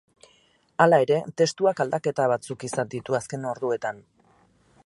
Hala ere, testuak aldaketa batzuk izan ditu azken orduetan.